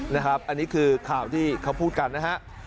นะครับอันนี้คือข่าวที่เขาพูดกันนะฮะ